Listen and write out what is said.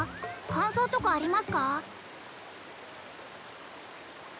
感想とかありますか？